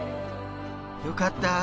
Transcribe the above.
よかった。